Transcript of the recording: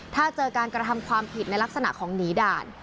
ถ้าเจอการกระทำความผิดในลักษณะของหนีด่าน